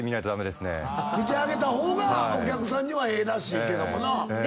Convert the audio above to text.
見てあげた方がお客さんにはええらしいけどもな。